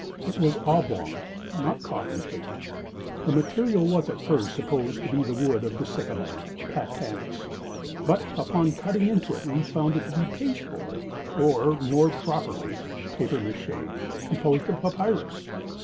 It was oblong—not coffin shaped. The material was at first supposed to be the wood of the sycamore (platanus), but, upon cutting into it, we found it to be pasteboard, or, more properly, papier mache, composed of papyrus.